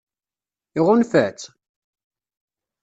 Iɣunfa-tt?